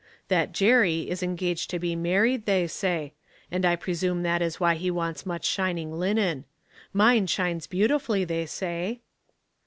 That Jerry is engaged to be married, they say; and I presume that is why he wants such shining linen. Mine shinesi beautifully, they say."